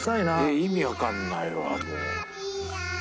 意味わかんないわこれ。